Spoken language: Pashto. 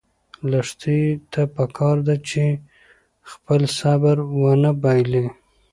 لښتې ته پکار ده چې خپل صبر ونه بایلي.